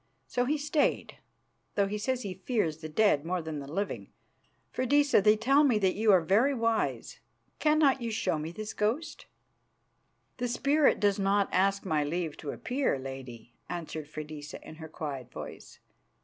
So he stayed, though he says he fears the dead more than the living. Freydisa, they tell me that you are very wise. Cannot you show me this ghost?" "The spirit does not ask my leave to appear, lady," answered Freydisa in her quiet voice.